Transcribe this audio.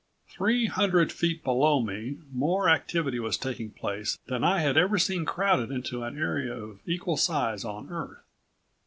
Three hundred feet below me more activity was taking place than I had ever seen crowded into an area of equal size on Earth.